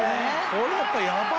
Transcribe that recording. これやっぱやばい。